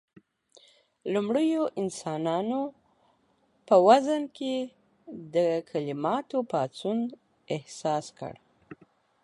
لومړيو انسانانو په وزن کې د کليماتو پاڅون احساس کړ.